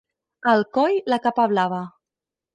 A Alcoi, la capa blava.